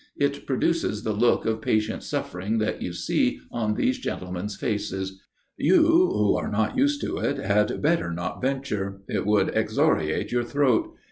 It produces the look of patient suffering that you see on those gentlemen's faces. You, who are not used to it, had better not venture. It would excoriate your throat.